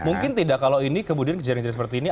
mungkin tidak kalau ini kemudian kejadian kejadian seperti ini